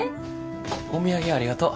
お土産ありがとう。